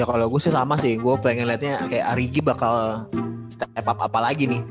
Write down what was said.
ya kalau gue sih sama sih gue pengen liatnya kayak ari gi bakal step up apa lagi nih